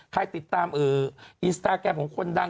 ใครติดตามอินสตาแกรมของคนดัง